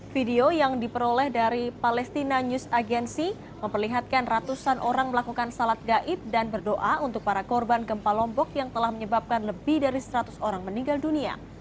video yang diperoleh dari palestina news agency memperlihatkan ratusan orang melakukan salat gaib dan berdoa untuk para korban gempa lombok yang telah menyebabkan lebih dari seratus orang meninggal dunia